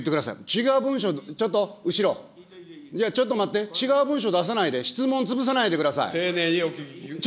違う文書、ちょっと、後ろ、ちょっと待って、違う文書出さないで、質問潰さな丁寧にお聞きください。